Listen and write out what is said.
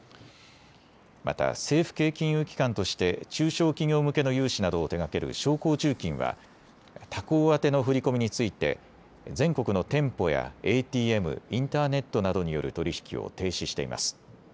また政府系金融機関として中小企業向けの融資などを手がける商工中金は他行宛の振り込みについて全国の店舗やＡＴＭ、インターネットなどによる取り引きを停止しています。